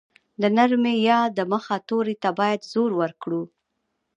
د نرمې ی د مخه توري ته باید زور ورکړو.